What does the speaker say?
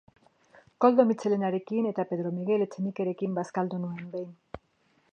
Koldo Mitxelenarekin eta Pedro Miguel Etxenikerekin bazkaldu nuen behin.